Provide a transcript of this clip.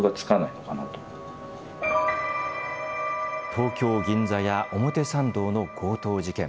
「東京・銀座や表参道の強盗事件。